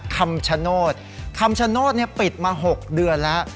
คำชณ์โน้ทเนี่ยปิดมาหกเดือนแล้ว